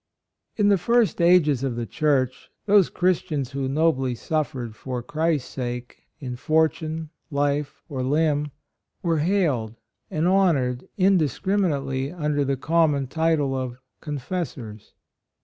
In the first ages of the Church, those Christians who nobly suffered 7 70 HIS FORTUNE for Christ's sake, in fortune, life or limb, were hailed and honored in discriminately under the common title of " Confessors."